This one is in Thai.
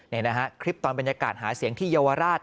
นี่นะฮะคลิปตอนบรรยากาศหาเสียงที่เยาวราช